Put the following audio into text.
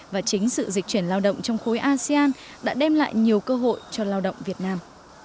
và chính sự dịch chuyển lao động trong khối asean đã đem lại nhiều cơ hội cho lao động việt nam